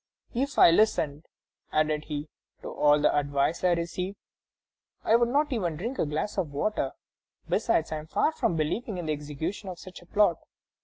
"If I listened," added he, "to all the advice I receive, I could not even drink a glass of water; besides, I am far from believing in the execution of such a plot.